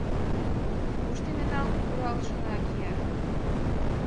«Кушто мемнан куралшына кия?